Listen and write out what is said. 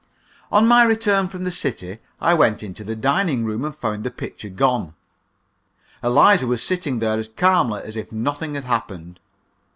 On my return from the city I went into the dining room and found the picture gone. Eliza was sitting there as calmly as if nothing had happened.